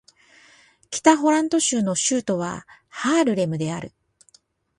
北ホラント州の州都はハールレムである